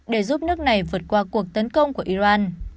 để giúp nước này vượt qua cuộc tấn công của iran